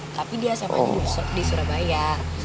tapi dia siapa aja yang serp di surabaya